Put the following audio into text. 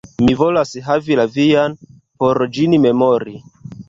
Mi volas havi la vian, por ĝin memori.